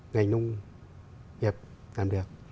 ngành nông nghiệp làm được